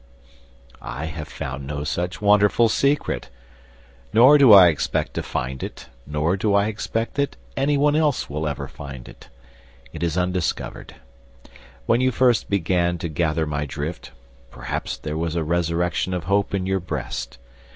I have found no such wonderful secret. Nor do I expect to find it, nor do I expect that anyone else will ever find it. It is undiscovered. When you first began to gather my drift, perhaps there was a resurrection of hope in your breast.